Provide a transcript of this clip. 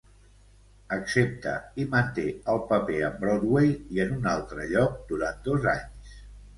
Accepta, i manté el paper a Broadway i en un altre lloc durant dos anys.